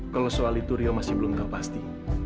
kalau soal itu rio masih belum tahu pasti